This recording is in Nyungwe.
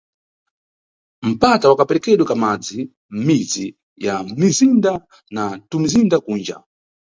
Mpata wa kaperekedwe ka madzi mʼmidzi ya mʼmizinda na tumizinda kunja.